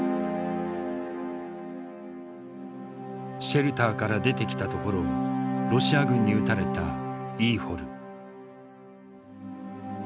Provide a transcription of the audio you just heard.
シェルターから出てきたところをロシア軍に撃たれたイーホル。